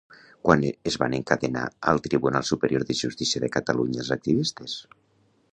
Quan es van encadenar al Tribunal Superior de Justícia de Catalunya els activistes?